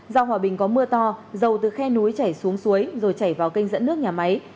do hòa bình có mưa to dầu từ khe núi chảy xuống suối rồi chảy vào kênh dẫn nước nhà máy